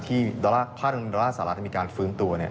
ที่ภาคดนตราดอลลาร์สาหรัฐมีการฟื้นตัว